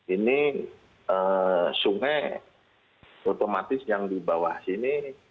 ini sungai otomatis yang di bawah sini